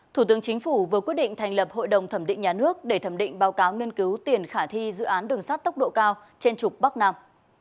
thủ tướng chính phủ vừa quyết định thành lập hội đồng thẩm định nhà nước để thẩm định báo cáo nghiên cứu tiền khả thi dự án đường sắt tốc độ cao trên trục bắc nam